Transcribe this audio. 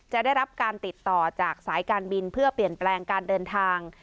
ได้รับการติดต่อจากสายการบินเพื่อเปลี่ยนแปลงการเดินทาง